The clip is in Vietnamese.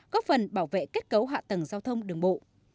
góp phần bảo vệ kết cấu hạ tầng giao thông đường bộ